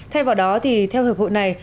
thay vào đó thì theo hiệp hội này